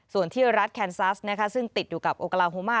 ส่วนที่รัฐแคนซัสซึ่งติดอยู่กับโอกาลาโฮมา